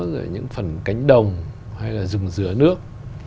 rồi những phần cánh đồng hay là rừng dừa nước